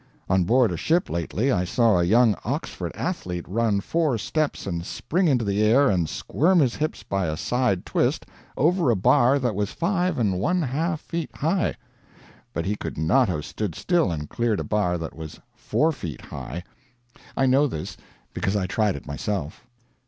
On board a ship lately I saw a young Oxford athlete run four steps and spring into the air and squirm his hips by a side twist over a bar that was five and one half feet high; but he could not have stood still and cleared a bar that was four feet high. I know this, because I tried it myself.